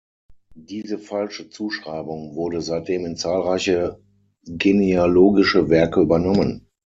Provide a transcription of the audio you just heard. Diese falsche Zuschreibung wurde seitdem in zahlreiche genealogische Werke übernommen.